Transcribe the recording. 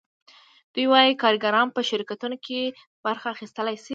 دوی وايي کارګران په شرکتونو کې برخه اخیستلی شي